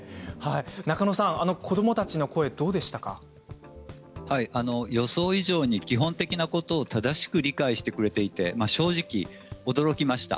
中野さん、子どもたちの声予想以上に基本的なことを正しく理解してくれていて正直驚きました。